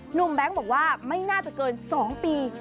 แบงค์บอกว่าไม่น่าจะเกิน๒ปี